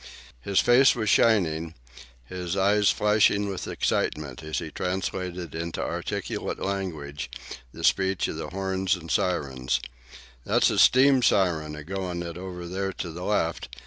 His face was shining, his eyes flashing with excitement as he translated into articulate language the speech of the horns and sirens. "That's a steam siren a goin' it over there to the left.